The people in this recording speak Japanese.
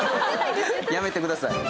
やめてください。